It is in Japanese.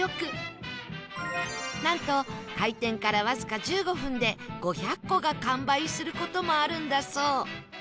なんと開店からわずか１５分で５００個が完売する事もあるんだそう